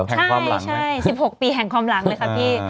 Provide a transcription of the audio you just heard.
ใช่๑๖ปีแห่งความหลังเลยค่ะพี่